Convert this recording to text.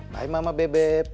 bye mama bebe